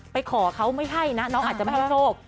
ขอเขาไม่ให้นะน้องอาจจะไม่ให้โชค